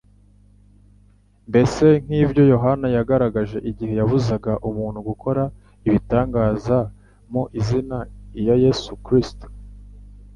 mbese nk'ibyo Yohana yagaragaje igihe yabuzaga umuntu gukora ibitangaza mu izina iya Yesu Kristo;